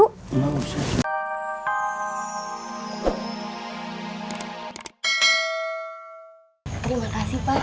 terima kasih pak